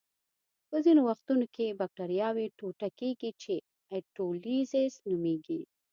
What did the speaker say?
په ځینو وختونو کې بکټریاوې ټوټه کیږي چې اټولیزس نومېږي.